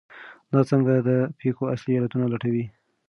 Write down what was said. دا څانګه د پېښو اصلي علتونه لټوي.